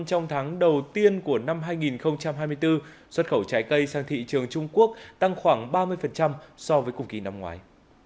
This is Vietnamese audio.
trong tháng đầu tiên của năm hai nghìn hai mươi bốn xuất khẩu trái cây sang thị trường trung quốc tăng khoảng ba mươi so với cùng kỳ năm ngoái